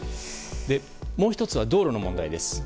もう１つは道路の問題です。